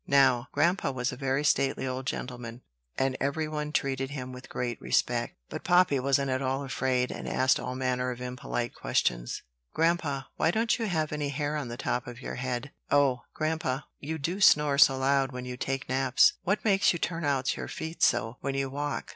Now, grandpa was a very stately old gentleman, and every one treated him with great respect; but Poppy wasn't at all afraid, and asked all manner of impolite questions. "Grandpa, why don't you have any hair on the top of your head?" "O grandpa! you do snore so loud when you take naps!" "What makes you turn out your feet so, when you walk?"